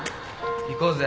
行こうぜ